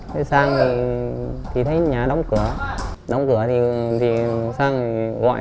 vâng em mua bốn triệu